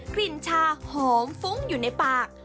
กลิ่นชาหอมฟุ้งอยู่ในปาก